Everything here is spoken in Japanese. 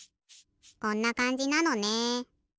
こんなかんじなのね。